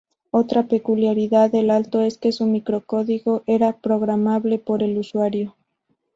Otra peculiaridad del Alto es que su microcódigo era programable por el usuario.